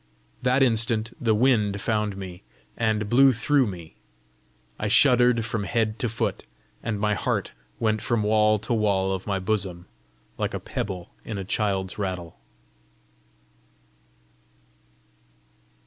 That instant the wind found me and blew through me: I shuddered from head to foot, and my heart went from wall to wall of my bosom, like a pebble in a child's rattle.